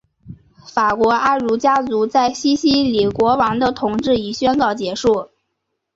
法国安茹家族在西西里王国的统治已宣告结束。